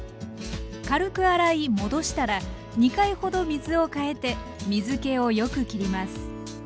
軽く洗い戻したら２回ほど水を替えて水けをよくきります。